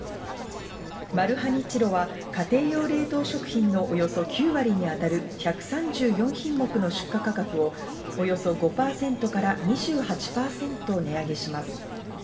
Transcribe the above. マルハニチロは家庭用冷凍食品のおよそ９割に当たる１３４品目の出荷価格をおよそ５％から２８％値上げします。